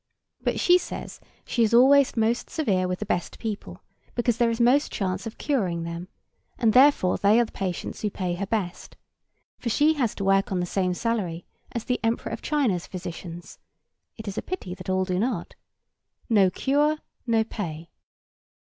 But she says she is always most severe with the best people, because there is most chance of curing them, and therefore they are the patients who pay her best; for she has to work on the same salary as the Emperor of China's physicians (it is a pity that all do not), no cure, no pay.